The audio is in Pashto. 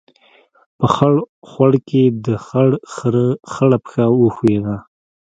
په خړ خوړ کې، د خړ خرهٔ خړه پښه وښیوده.